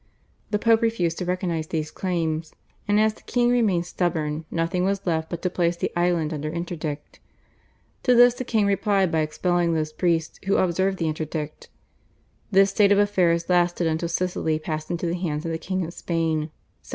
The Pope refused to recognise these claims, and as the king remained stubborn nothing was left but to place the island under interdict. To this the king replied by expelling those priests who observed the interdict. This state of affairs lasted until Sicily passed into the hands of the King of Spain (1718).